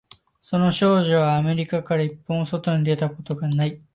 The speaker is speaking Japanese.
その少女はアメリカから一歩も外に出たことがない